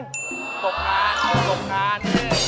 ตกงานตกงาน